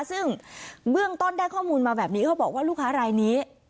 ซึ่งเบื้องต้นได้ข้อมูลมาแบบนี้เขาบอกว่าลูกค้ารายนี้